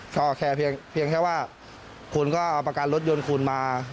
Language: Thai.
ก็แค่เพียงแค่ว่าคุณก็เอาประกันรถยนต์คุณมา